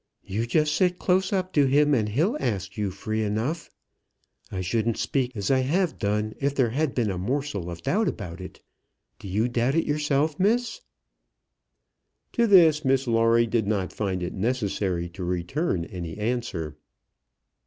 "You just sit close up to him, and he'll ask you free enough. I shouldn't speak as I have done if there had been a morsel of doubt about it. Do you doubt it yourself, Miss?" To this Miss Lawrie did not find it necessary to return any answer.